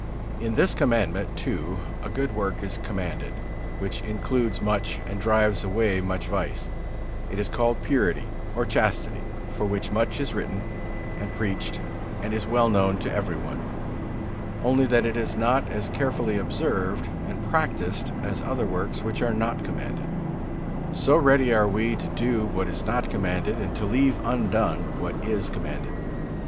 In this Commandment too a good work is commanded, which includes much and drives away much vice; it is called purity, or chastity, of which much is written and preached, and it is well known to every one, only that it is not as carefully observed and practised as other works which are not commanded. So ready are we to do what is not commanded and to leave undone what is commanded.